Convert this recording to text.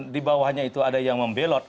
di bawahnya itu ada yang membelot